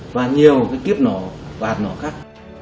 và nhiều kiếp nổ và hạt nổ khác